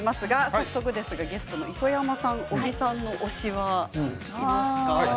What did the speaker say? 早速、ゲストの磯山さん小木さんの推しはありますか？